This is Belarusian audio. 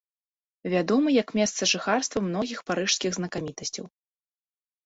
Вядомы як месца жыхарства многіх парыжскіх знакамітасцяў.